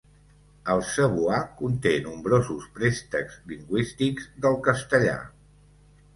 El cebuà conté nombrosos préstecs lingüístics del castellà.